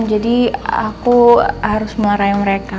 jadi aku harus marahin mereka